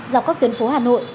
dọc các tuyến phố hà nội